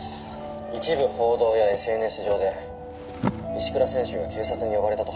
「一部報道やＳＮＳ上で石倉選手が警察に呼ばれたと拝見しました」